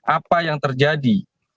apa yang terjadi